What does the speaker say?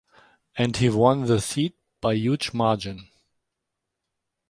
And he won the seat by huge margin.